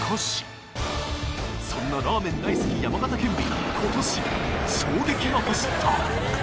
そんなラーメン大好き山形県民に今年衝撃が走った！